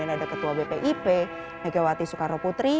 ada ketua bpip megawati soekarno putri